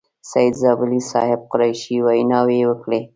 سعید زابلي صاحب، قریشي ویناوې وکړې.